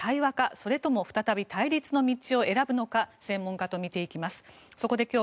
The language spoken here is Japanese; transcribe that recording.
それとも再び対立の道を選ぶのか専門家と見ていきます。